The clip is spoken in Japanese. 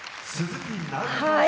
はい。